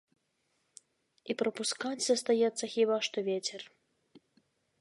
І прапускаць застаецца хіба што вецер.